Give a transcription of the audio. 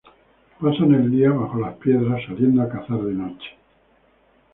Pasan el día bajo las piedras, saliendo a cazar de noche.